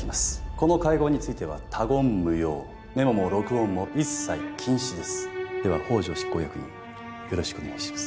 この会合については他言無用メモも録音も一切禁止ですでは宝条執行役員よろしくお願いします